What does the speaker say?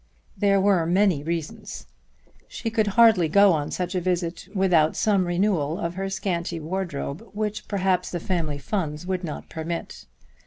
There were many reasons. She could hardly go on such a visit without some renewal of her scanty wardrobe, which perhaps the family funds would not permit.